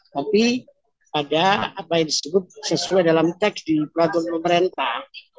tapi pada apa yang disebut sesuai dalam teks di peraturan pemerintah